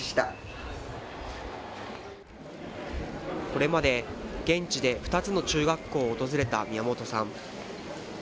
これまで、現地で２つの中学校を訪れた宮本さん。